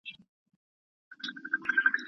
د بوډۍ ټال یې په سره مښوکه کې نیولی و.